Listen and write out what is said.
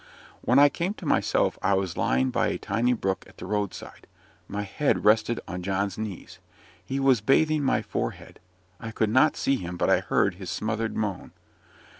When I came to myself I was lying by a tiny brook at the roadside, my head resting on John's knees. He was bathing my forehead: I could not see him, but I heard his smothered moan.